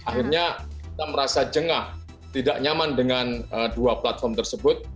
akhirnya kita merasa jengah tidak nyaman dengan dua platform tersebut